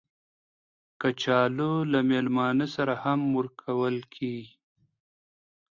کچالو له میلمانه سره هم ورکول کېږي